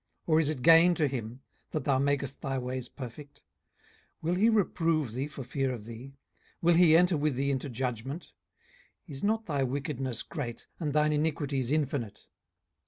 or is it gain to him, that thou makest thy ways perfect? 18:022:004 Will he reprove thee for fear of thee? will he enter with thee into judgment? 18:022:005 Is not thy wickedness great? and thine iniquities infinite?